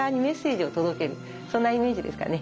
そんなイメージですかね。